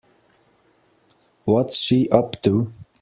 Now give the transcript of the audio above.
What's she up to?